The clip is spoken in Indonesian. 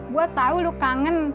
gua tau lu kangen